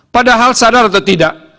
padahal sadar atau tidak